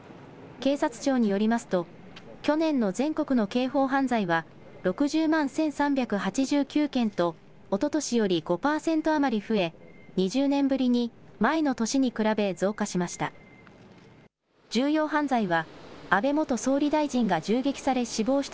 警察庁によりますと、去年の全国の刑法犯罪は６０万１３８９件と、おととしより５％余り増え、２０年ぶりに前の年に比べ増加しました。